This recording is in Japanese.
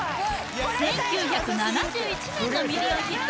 １９７１年のミリオンヒット